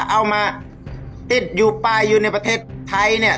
เอามาติดอยู่ปลายอยู่ในประเทศไทยเนี่ย